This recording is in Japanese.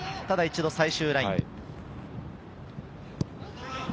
ただ、一度最終ライン。